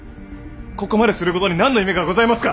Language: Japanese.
ここまですることに何の意味がございますか！